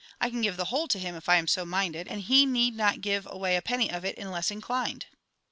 I can give the whole to him if I am so minded, and he need not give away a penny of it unless inclined.